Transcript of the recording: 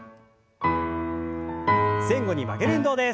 前後に曲げる運動です。